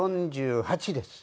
４８です。